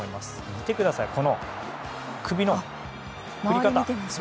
見てください、この首の振り方。